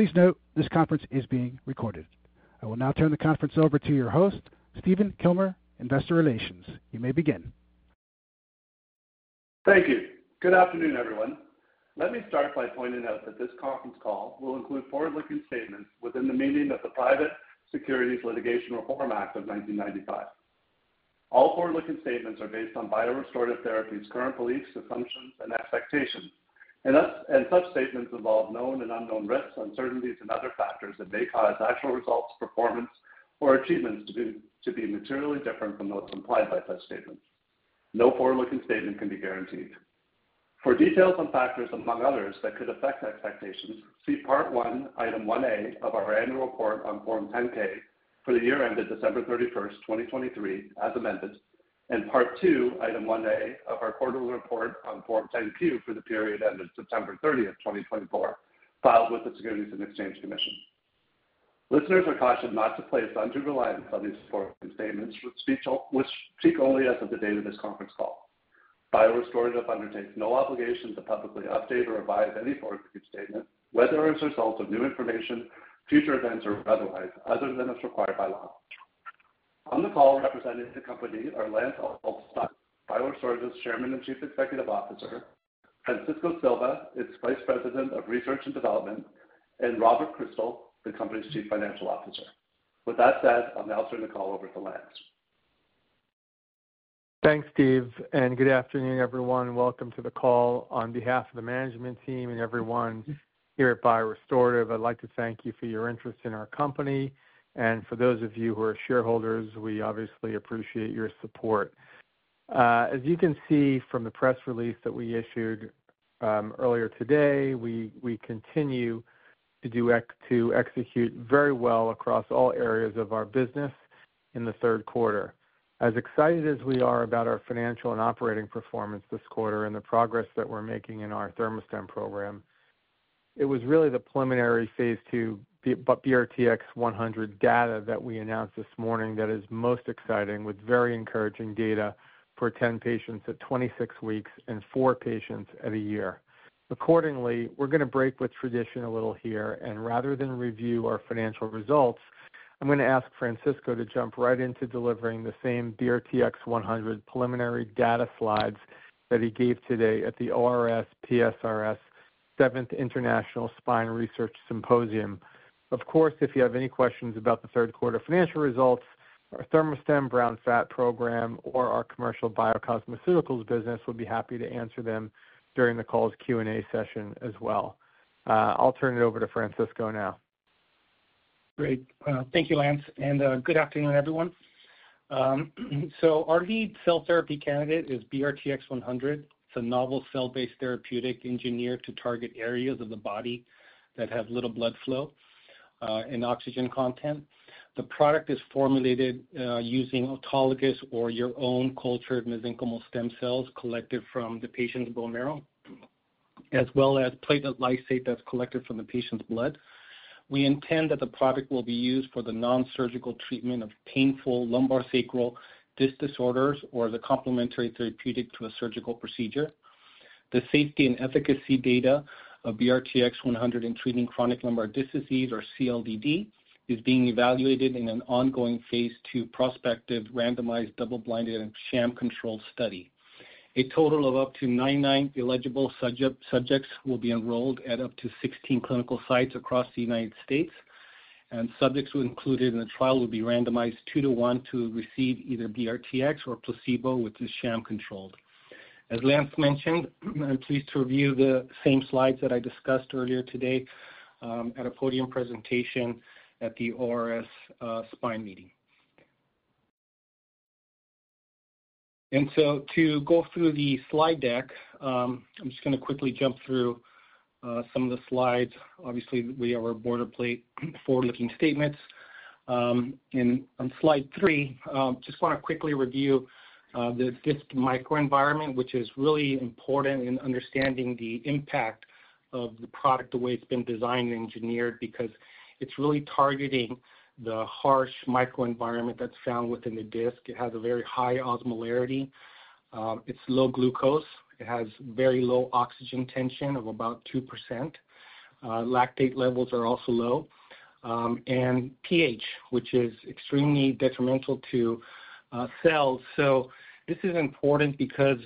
Please note this conference is being recorded. I will now turn the conference over to your host, Stephen Kilmer, Investor Relations. You may begin. Thank you. Good afternoon, everyone. Let me start by pointing out that this conference call will include forward-looking statements within the meaning of the Private Securities Litigation Reform Act of 1995. All forward-looking statements are based on BioRestorative Therapies' current beliefs, assumptions, and expectations, and such statements involve known and unknown risks, uncertainties, and other factors that may cause actual results, performance, or achievements to be materially different from those implied by such statements. No forward-looking statement can be guaranteed. For details on factors, among others, that could affect expectations, see Part 1, Item 1A, of our Annual Report on Form 10-K for the year ended December 31st, 2023, as amended, and Part 2, Item 1A, of our Quarterly Report on Form 10-Q for the period ended September 30th, 2024, filed with the Securities and Exchange Commission. Listeners are cautioned not to place undue reliance on these forward-looking statements, which speak only as of the date of this conference call. BioRestorative undertakes no obligation to publicly update or revise any forward-looking statement, whether as a result of new information, future events, or otherwise, other than as required by law. On the call representing the company are Lance Alstodt, BioRestorative's Chairman and Chief Executive Officer, Francisco Silva, its Vice President of Research and Development, and Robert Kristal, the company's Chief Financial Officer. With that said, I'll now turn the call over to Lance. Thanks, Steve, and good afternoon, everyone, and welcome to the call on behalf of the management team and everyone here at BioRestorative. I'd like to thank you for your interest in our company, and for those of you who are shareholders, we obviously appreciate your support. As you can see from the press release that we issued earlier today, we continue to execute very well across all areas of our business in the third quarter. As excited as we are about our financial and operating performance this quarter and the progress that we're making in our ThermoStem program, it was really the preliminary phase 2 BRTX-100 data that we announced this morning that is most exciting, with very encouraging data for 10 patients at 26 weeks and 4 patients at a year. Accordingly, we're going to break with tradition a little here, and rather than review our financial results, I'm going to ask Francisco to jump right into delivering the same BRTX-100 preliminary data slides that he gave today at the ORS PSRS Seventh International Spine Research Symposium. Of course, if you have any questions about the third quarter financial results, our ThermoStem brown fat program, or our commercial BioCosmeceuticals business, we'll be happy to answer them during the call's Q&A session as well. I'll turn it over to Francisco now. Great. Thank you, Lance, and good afternoon, everyone. So our lead cell therapy candidate is BRTX-100. It's a novel cell-based therapeutic engineered to target areas of the body that have little blood flow and oxygen content. The product is formulated using autologous or your own cultured mesenchymal stem cells collected from the patient's bone marrow, as well as platelet lysate that's collected from the patient's blood. We intend that the product will be used for the nonsurgical treatment of painful lumbosacral disc disorders or as a complementary therapeutic to a surgical procedure. The safety and efficacy data of BRTX-100 in treating chronic lumbar disc disease, or CLDD, is being evaluated in an ongoing phase 2 prospective randomized double-blinded and sham-controlled study. A total of up to 99 eligible subjects will be enrolled at up to 16 clinical sites across the United States, and subjects included in the trial will be randomized two to one to receive either BRTX or placebo with the sham-controlled. As Lance mentioned, I'm pleased to review the same slides that I discussed earlier today at a podium presentation at the ORS spine meeting. To go through the slide deck, I'm just going to quickly jump through some of the slides. Obviously, we have our boilerplate forward-looking statements. On slide three, I just want to quickly review the disc microenvironment, which is really important in understanding the impact of the product the way it's been designed and engineered, because it's really targeting the harsh microenvironment that's found within the disc. It has a very high osmolarity. It's low glucose. It has very low oxygen tension of about 2%. Lactate levels are also low, and pH, which is extremely detrimental to cells. So this is important because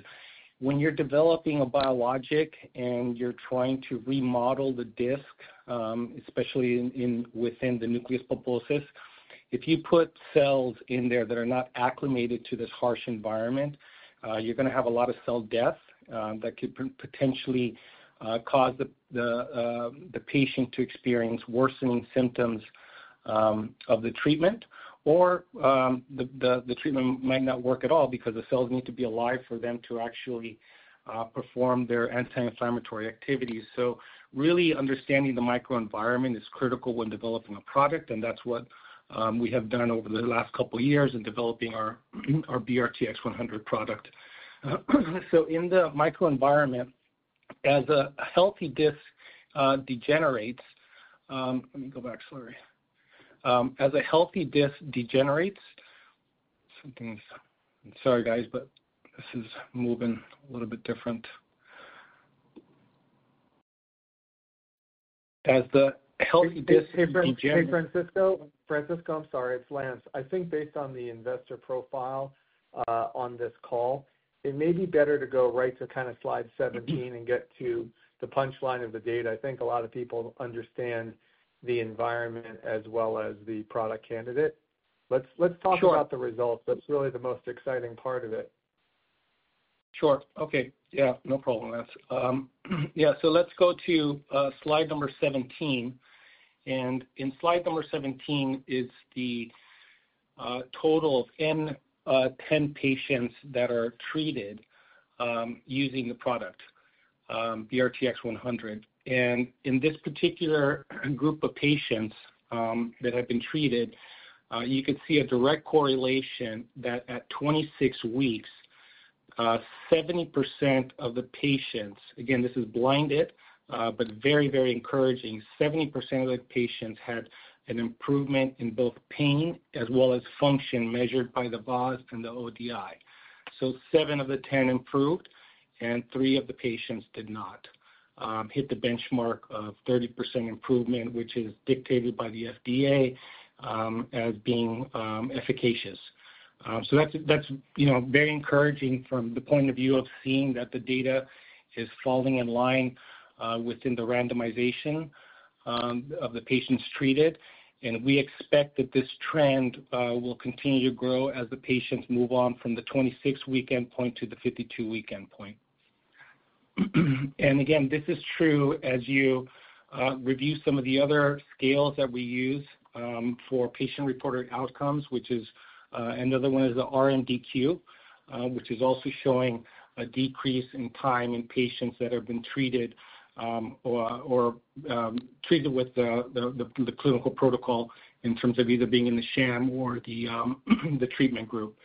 when you're developing a biologic and you're trying to remodel the disc, especially within the nucleus pulposus, if you put cells in there that are not acclimated to this harsh environment, you're going to have a lot of cell death that could potentially cause the patient to experience worsening symptoms of the treatment, or the treatment might not work at all because the cells need to be alive for them to actually perform their anti-inflammatory activities. So really understanding the microenvironment is critical when developing a product, and that's what we have done over the last couple of years in developing our BRTX-100 product. So in the microenvironment, as a healthy disc degenerates. I'm sorry, guys, but this is moving a little bit different. As the healthy disc degenerates. Hey, Francisco. Francisco, I'm sorry. It's Lance. I think based on the investor profile on this call, it may be better to go right to kind of slide 17 and get to the punchline of the data. I think a lot of people understand the environment as well as the product candidate. Let's talk about the results. That's really the most exciting part of it. Sure. Okay. Yeah. No problem, Lance. Yeah. So let's go to slide number 17. And in slide number 17 is the total of 10 patients that are treated using the product, BRTX-100. And in this particular group of patients that have been treated, you could see a direct correlation that at 26 weeks, 70% of the patients (again, this is blinded, but very, very encouraging) 70% of the patients had an improvement in both pain as well as function measured by the VAS and the ODI. So seven of the 10 improved, and three of the patients did not hit the benchmark of 30% improvement, which is dictated by the FDA as being efficacious. So that's very encouraging from the point of view of seeing that the data is falling in line within the randomization of the patients treated. And we expect that this trend will continue to grow as the patients move on from the 26-week endpoint to the 52-week endpoint. And again, this is true as you review some of the other scales that we use for patient-reported outcomes, which is another one is the RMDQ, which is also showing a decrease in time in patients that have been treated with the clinical protocol in terms of either being in the sham or the treatment group,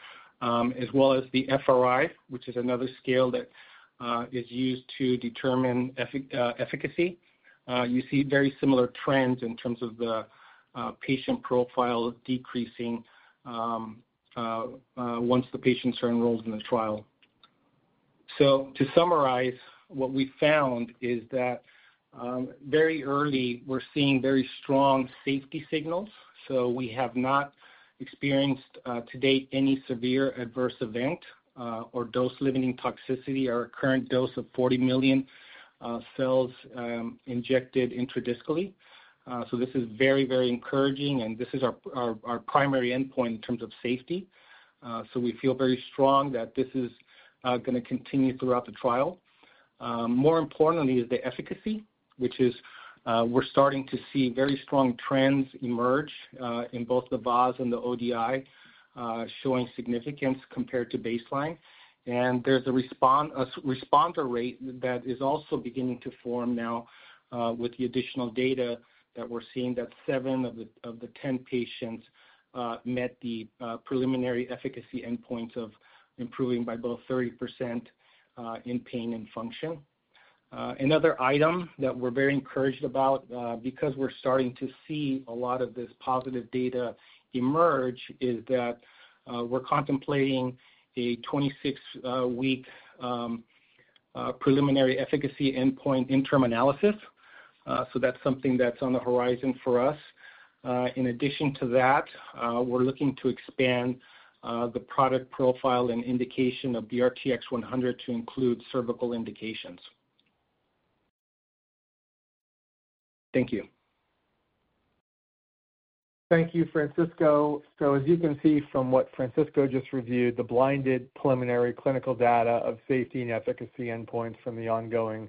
as well as the FRI, which is another scale that is used to determine efficacy. You see very similar trends in terms of the patient profile decreasing once the patients are enrolled in the trial. So to summarize, what we found is that very early, we're seeing very strong safety signals. So we have not experienced to date any severe adverse event or dose-limiting toxicity or a current dose of 40 million cells injected intradiscally. So this is very, very encouraging, and this is our primary endpoint in terms of safety. So we feel very strong that this is going to continue throughout the trial. More importantly, is the efficacy, which is we're starting to see very strong trends emerge in both the VAS and the ODI, showing significance compared to baseline. And there's a responder rate that is also beginning to form now with the additional data that we're seeing that 7 of the 10 patients met the preliminary efficacy endpoint of improving by both 30% in pain and function. Another item that we're very encouraged about because we're starting to see a lot of this positive data emerge is that we're contemplating a 26-week preliminary efficacy endpoint interim analysis. So that's something that's on the horizon for us. In addition to that, we're looking to expand the product profile and indication of BRTX-100 to include cervical indications. Thank you. Thank you, Francisco. So as you can see from what Francisco just reviewed, the blinded preliminary clinical data of safety and efficacy endpoints from the ongoing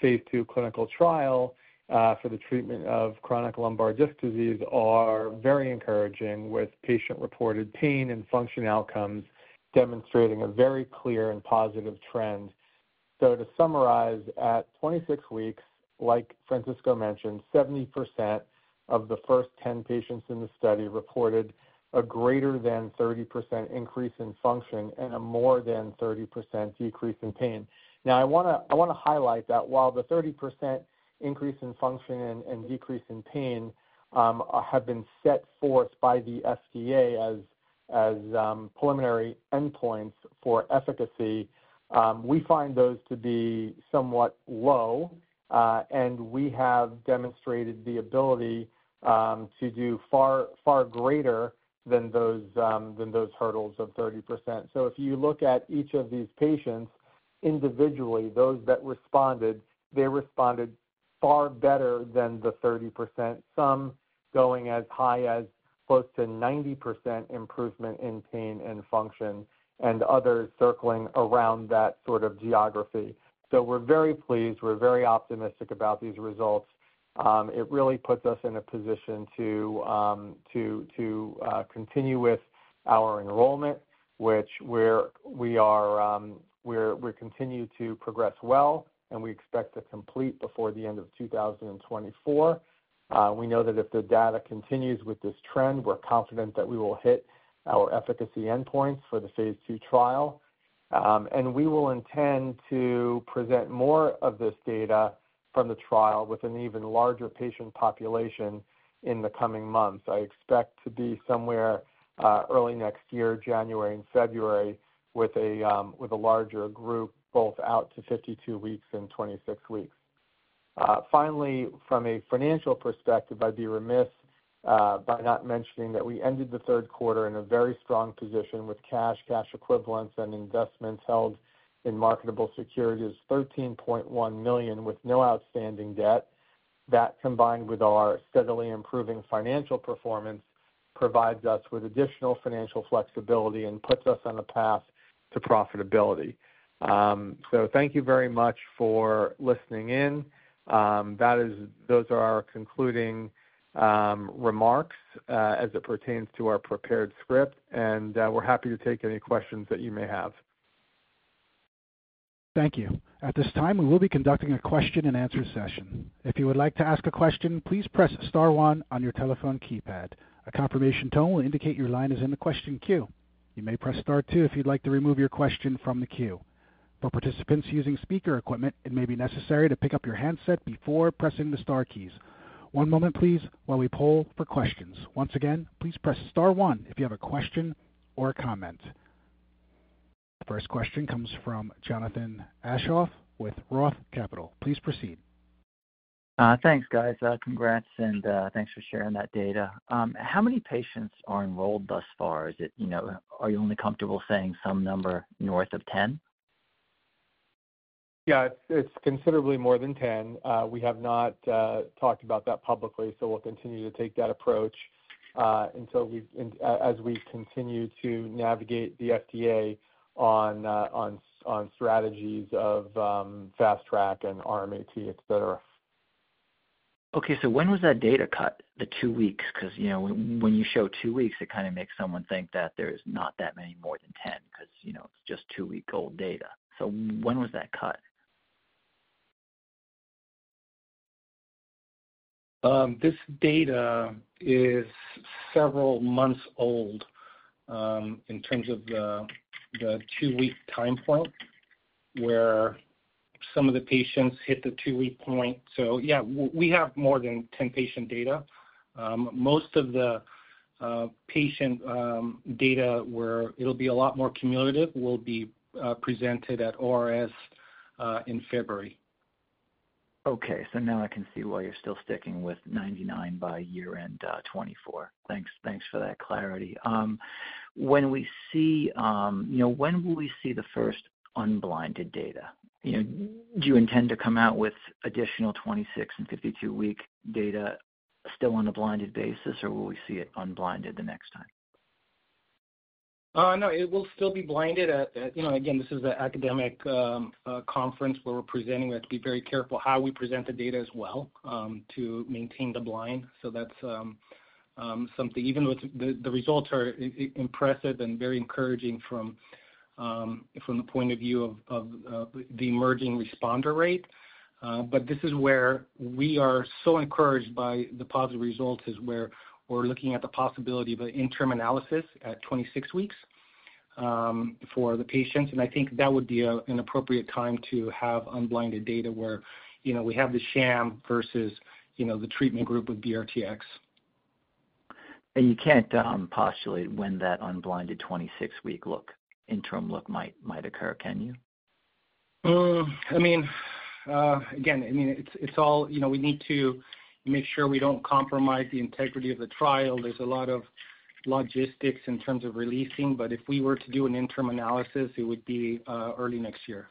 phase 2 clinical trial for the treatment of chronic lumbar disc disease are very encouraging with patient-reported pain and function outcomes demonstrating a very clear and positive trend. So to summarize, at 26 weeks, like Francisco mentioned, 70% of the first 10 patients in the study reported a greater than 30% increase in function and a more than 30% decrease in pain. Now, I want to highlight that while the 30% increase in function and decrease in pain have been set forth by the FDA as preliminary endpoints for efficacy, we find those to be somewhat low, and we have demonstrated the ability to do far, far greater than those hurdles of 30%. So if you look at each of these patients individually, those that responded, they responded far better than the 30%, some going as high as close to 90% improvement in pain and function and others circling around that sort of geography. So we're very pleased. We're very optimistic about these results. It really puts us in a position to continue with our enrollment, which we continue to progress well, and we expect to complete before the end of 2024. We know that if the data continues with this trend, we're confident that we will hit our efficacy endpoints for the phase 2 trial. And we will intend to present more of this data from the trial with an even larger patient population in the coming months. I expect to be somewhere early next year, January and February, with a larger group both out to 52 weeks and 26 weeks. Finally, from a financial perspective, I'd be remiss by not mentioning that we ended the third quarter in a very strong position with cash, cash equivalents, and investments held in marketable securities: $13.1 million with no outstanding debt. That combined with our steadily improving financial performance provides us with additional financial flexibility and puts us on a path to profitability. So thank you very much for listening in. Those are our concluding remarks as it pertains to our prepared script, and we're happy to take any questions that you may have. Thank you. At this time, we will be conducting a question-and-answer session. If you would like to ask a question, please press Star 1 on your telephone keypad. A confirmation tone will indicate your line is in the question queue. You may press Star 2 if you'd like to remove your question from the queue. For participants using speaker equipment, it may be necessary to pick up your handset before pressing the Star keys. One moment, please, while we poll for questions. Once again, please press Star 1 if you have a question or a comment. The first question comes from Jonathan Aschoff with Roth Capital. Please proceed. Thanks, guys. Congrats, and thanks for sharing that data. How many patients are enrolled thus far? Are you only comfortable saying some number north of 10? Yeah. It's considerably more than 10. We have not talked about that publicly, so we'll continue to take that approach as we continue to navigate the FDA on strategies of Fast Track and RMAT, etc. Okay. So when was that data cut, the two weeks? Because when you show two weeks, it kind of makes someone think that there's not that many more than 10 because it's just two-week-old data. So when was that cut? This data is several months old in terms of the two-week time point where some of the patients hit the two-week point. So yeah, we have more than 10 patient data. Most of the patient data where it'll be a lot more cumulative will be presented at ORS in February. Okay. So now I can see why you're still sticking with 99 by year-end 2024. Thanks for that clarity. When will we see the first unblinded data? Do you intend to come out with additional 26 and 52-week data still on a blinded basis, or will we see it unblinded the next time? No. It will still be blinded. Again, this is an academic conference where we're presenting. We have to be very careful how we present the data as well to maintain the blind. So that's something. Even though the results are impressive and very encouraging from the point of view of the emerging responder rate, but this is where we are so encouraged by the positive results is where we're looking at the possibility of an interim analysis at 26 weeks for the patients. And I think that would be an appropriate time to have unblinded data where we have the sham versus the treatment group with BRTX. You can't postulate when that unblinded 26-week interim look might occur, can you? I mean, again, I mean, it's all we need to make sure we don't compromise the integrity of the trial. There's a lot of logistics in terms of releasing, but if we were to do an interim analysis, it would be early next year.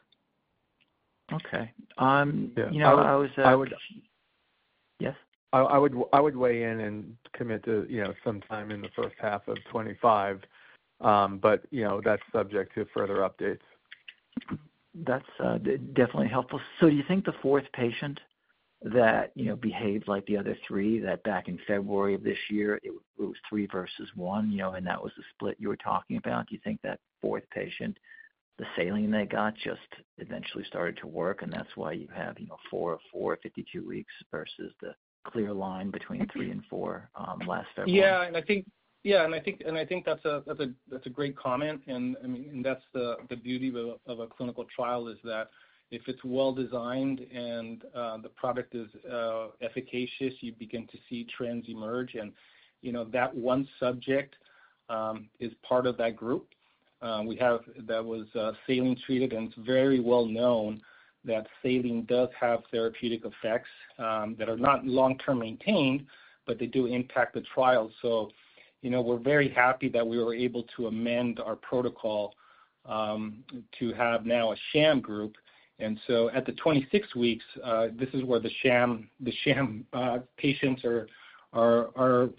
Okay. I was. I would. Yes? I would weigh in and commit to some time in the first half of 2025, but that's subject to further updates. That's definitely helpful. So do you think the fourth patient that behaved like the other three, that back in February of this year, it was three versus one, and that was the split you were talking about? Do you think that fourth patient, the saline they got just eventually started to work, and that's why you have four of four, 52 weeks versus the clear line between three and four last February? Yeah. And I think that's a great comment. And I mean, that's the beauty of a clinical trial is that if it's well-designed and the product is efficacious, you begin to see trends emerge. And that one subject is part of that group. That was saline-treated, and it's very well known that saline does have therapeutic effects that are not long-term maintained, but they do impact the trial. So we're very happy that we were able to amend our protocol to have now a sham group. And so at the 26 weeks, this is where the sham patients are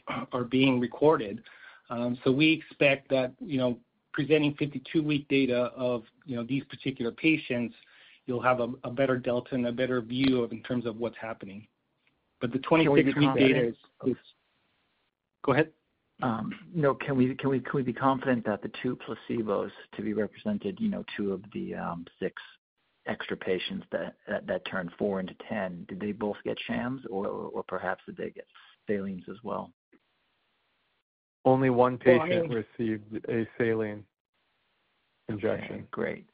being recorded. So we expect that presenting 52-week data of these particular patients, you'll have a better delta and a better view in terms of what's happening. But the 26-week data is. So we're talking about. Go ahead. No. Can we be confident that the two placebos to be represented, two of the six extra patients that turned four into 10, did they both get shams, or perhaps did they get salines as well? Only one patient received a saline injection. Okay. Great.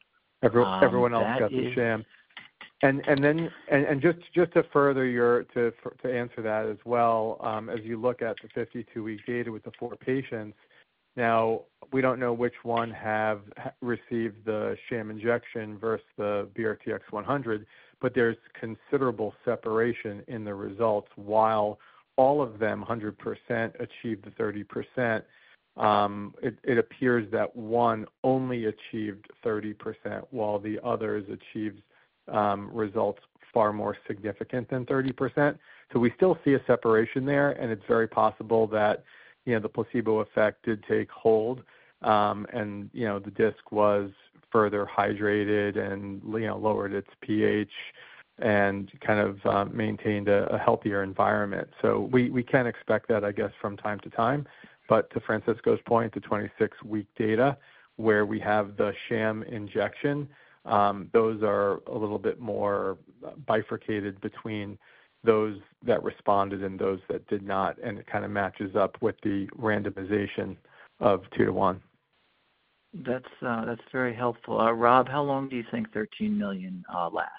Everyone else got the sham. And just to further your answer to that as well, as you look at the 52-week data with the four patients, now, we don't know which one has received the sham injection versus the BRTX-100, but there's considerable separation in the results. While all of them 100% achieved the 30%, it appears that one only achieved 30%, while the others achieved results far more significant than 30%. So we still see a separation there, and it's very possible that the placebo effect did take hold and the disc was further hydrated and lowered its pH and kind of maintained a healthier environment. So we can expect that, I guess, from time to time. But to Francisco's point, the 26-week data where we have the sham injection, those are a little bit more bifurcated between those that responded and those that did not, and it kind of matches up with the randomization of two to one. That's very helpful. Rob, how long do you think $13 million lasts?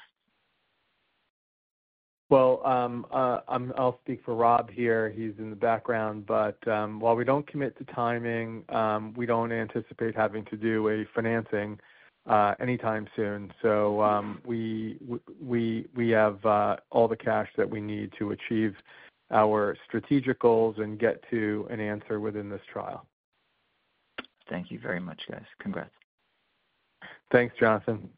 I'll speak for Rob here. He's in the background. While we don't commit to timing, we don't anticipate having to do a financing anytime soon. We have all the cash that we need to achieve our strategic goals and get to an answer within this trial. Thank you very much, guys. Congrats. Thanks, Jonathan.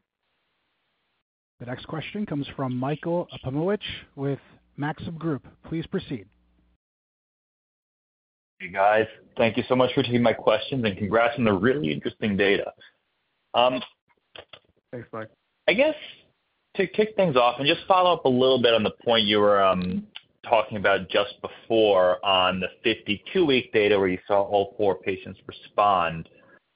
The next question comes from Michael Okunewitch with Maxim Group. Please proceed. Hey, guys. Thank you so much for taking my questions, and congrats on the really interesting data. Thanks, Mike. I guess to kick things off and just follow up a little bit on the point you were talking about just before on the 52-week data where you saw all four patients respond,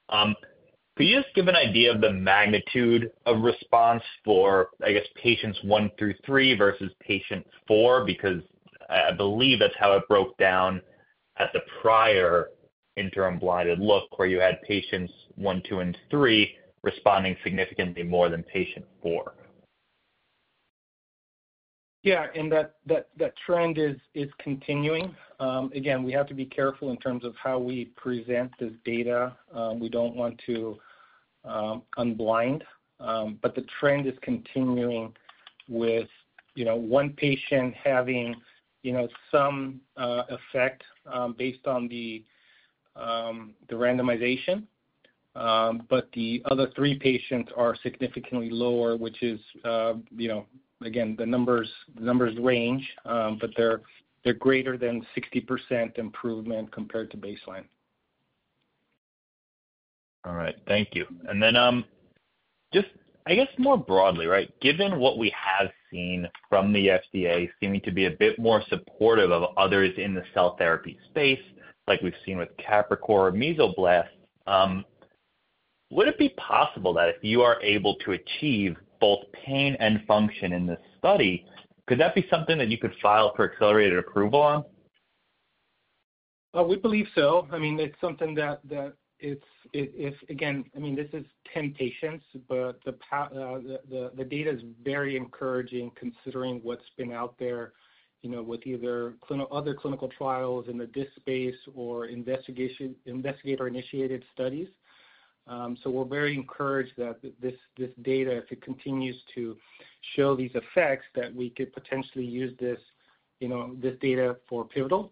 could you just give an idea of the magnitude of response for, I guess, patients one through three versus patient four? Because I believe that's how it broke down at the prior interim blinded look where you had patients one, two, and three responding significantly more than patient four. Yeah, and that trend is continuing. Again, we have to be careful in terms of how we present this data. We don't want to unblind, but the trend is continuing with one patient having some effect based on the randomization, but the other three patients are significantly lower, which is, again, the numbers range, but they're greater than 60% improvement compared to baseline. All right. Thank you. And then just, I guess, more broadly, right, given what we have seen from the FDA seeming to be a bit more supportive of others in the cell therapy space, like we've seen with Capricor or Mesoblast, would it be possible that if you are able to achieve both pain and function in this study, could that be something that you could file for accelerated approval on? We believe so. I mean, it's something that if, again, I mean, this is 10 patients, but the data is very encouraging considering what's been out there with either other clinical trials in the disc space or investigator-initiated studies. So we're very encouraged that this data, if it continues to show these effects, that we could potentially use this data for pivotal,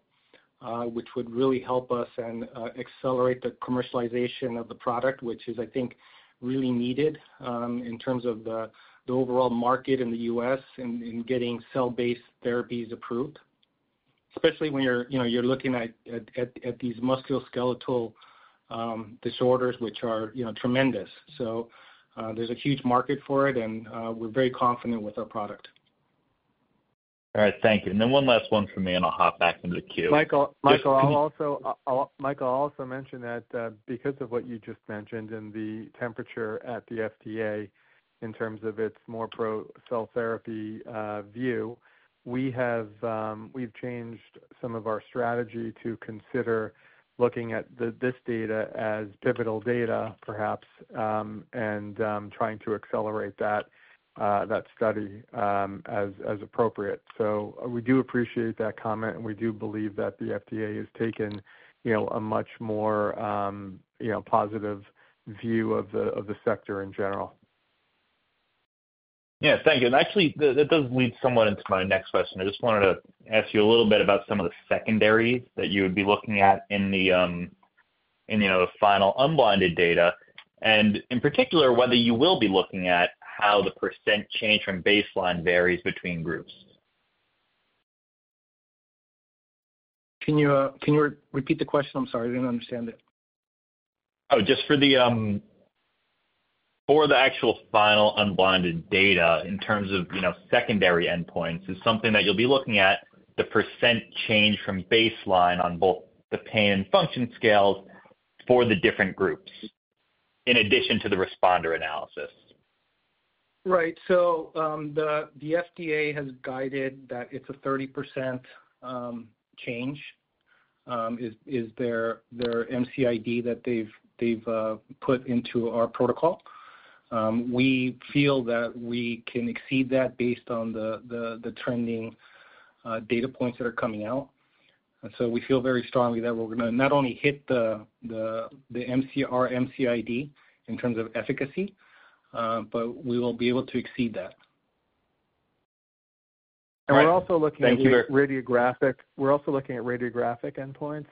which would really help us and accelerate the commercialization of the product, which is, I think, really needed in terms of the overall market in the U.S. in getting cell-based therapies approved, especially when you're looking at these musculoskeletal disorders, which are tremendous. So there's a huge market for it, and we're very confident with our product. All right. Thank you, and then one last one from me, and I'll hop back into the queue. Michael, I'll also mention that because of what you just mentioned and the temperature at the FDA in terms of its more pro-cell therapy view, we've changed some of our strategy to consider looking at this data as pivotal data, perhaps, and trying to accelerate that study as appropriate. So we do appreciate that comment, and we do believe that the FDA has taken a much more positive view of the sector in general. Yeah. Thank you. And actually, that does lead somewhat into my next question. I just wanted to ask you a little bit about some of the secondaries that you would be looking at in the final unblinded data, and in particular, whether you will be looking at how the percent change from baseline varies between groups. Can you repeat the question? I'm sorry. I didn't understand it. Oh, just for the actual final unblinded data in terms of secondary endpoints, is something that you'll be looking at the % change from baseline on both the pain and function scales for the different groups in addition to the responder analysis? Right. So the FDA has guided that it's a 30% change is their MCID that they've put into our protocol. We feel that we can exceed that based on the trending data points that are coming out. And so we feel very strongly that we're going to not only hit the MCR/MCID in terms of efficacy, but we will be able to exceed that. And we're also looking at. Thank you. Radiographic. We're also looking at radiographic endpoints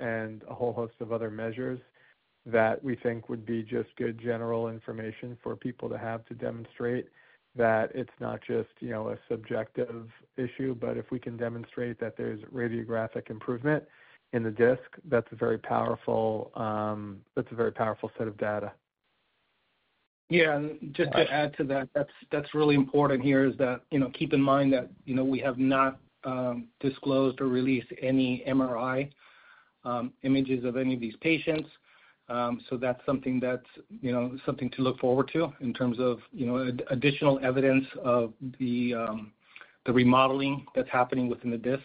and a whole host of other measures that we think would be just good general information for people to have to demonstrate that it's not just a subjective issue, but if we can demonstrate that there's radiographic improvement in the disc, that's a very powerful set of data. Yeah. And just to add to that, that's really important here is that: keep in mind that we have not disclosed or released any MRI images of any of these patients. So that's something to look forward to in terms of additional evidence of the remodeling that's happening within the disc.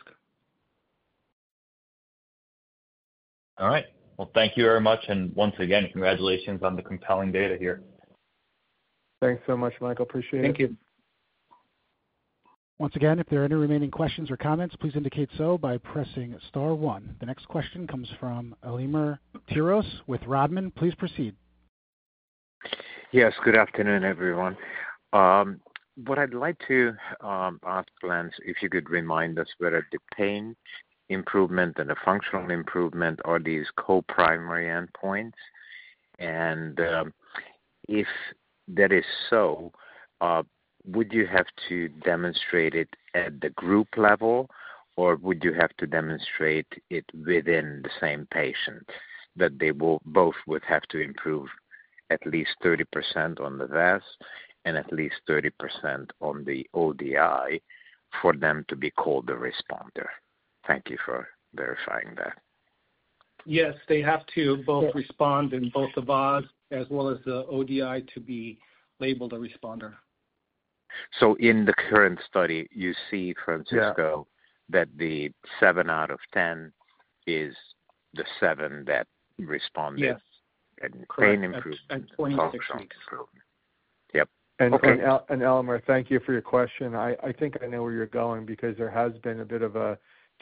All right. Well, thank you very much and once again, congratulations on the compelling data here. Thanks so much, Michael. Appreciate it. Thank you. Once again, if there are any remaining questions or comments, please indicate so by pressing star one. The next question comes from Elemer Piros with Rodman & Renshaw. Please proceed. Yes. Good afternoon, everyone. What I'd like to ask was if you could remind us whether the pain improvement and the functional improvement are these co-primary endpoints. And if that is so, would you have to demonstrate it at the group level, or would you have to demonstrate it within the same patient that they both would have to improve at least 30% on the VAS and at least 30% on the ODI for them to be called a responder? Thank you for verifying that. Yes. They have to both respond in both the VAS as well as the ODI to be labeled a responder. So in the current study, you see, Francisco, that the 7 out of 10 is the 7 that responded. Yes. Correct. Pain improvement. Function improvement. Functional improvement. Yep. Okay. And Elemer, thank you for your question. I think I know where you're going because there has been a bit of a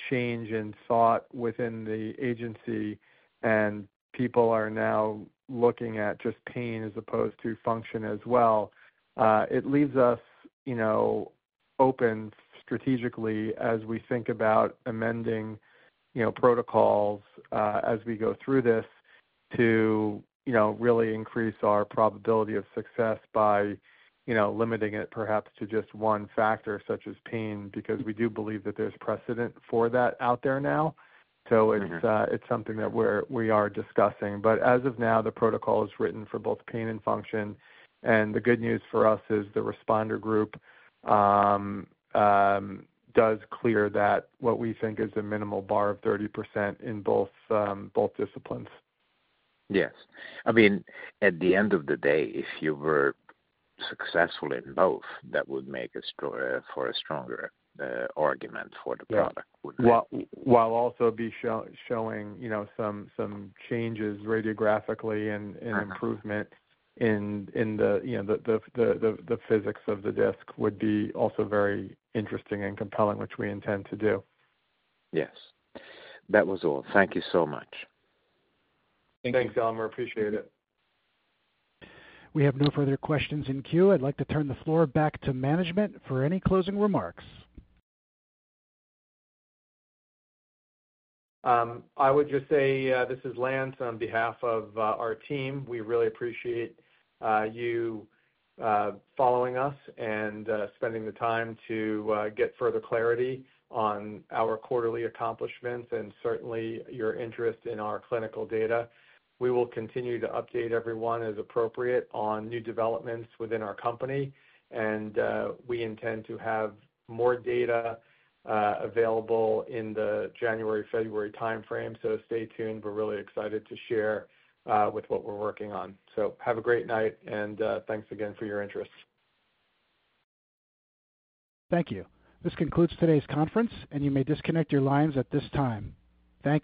change in thought within the agency, and people are now looking at just pain as opposed to function as well. It leaves us open strategically as we think about amending protocols as we go through this to really increase our probability of success by limiting it perhaps to just one factor such as pain because we do believe that there's precedent for that out there now. So it's something that we are discussing. But as of now, the protocol is written for both pain and function. And the good news for us is the responder group does clear that what we think is a minimal bar of 30% in both disciplines. Yes. I mean, at the end of the day, if you were successful in both, that would make for a stronger argument for the product. While also showing some changes radiographically and improvement in the physics of the disc would be also very interesting and compelling, which we intend to do. Yes. That was all. Thank you so much. Thank you. Thanks, Elemer. Appreciate it. We have no further questions in queue. I'd like to turn the floor back to management for any closing remarks. I would just say this is Lance on behalf of our team. We really appreciate you following us and spending the time to get further clarity on our quarterly accomplishments and certainly your interest in our clinical data. We will continue to update everyone as appropriate on new developments within our company. And we intend to have more data available in the January/February timeframe. So stay tuned. We're really excited to share with what we're working on. So have a great night, and thanks again for your interest. Thank you. This concludes today's conference, and you may disconnect your lines at this time. Thank you.